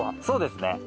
そうですね。